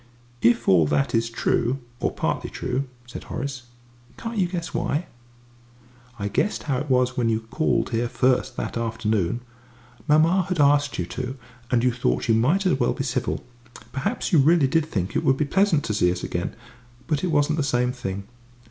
"If all that is true, or partly true," said Horace, "can't you guess why?" "I guessed how it was when you called here first that afternoon. Mamma had asked you to, and you thought you might as well be civil; perhaps you really did think it would be pleasant to see us again but it wasn't the same thing.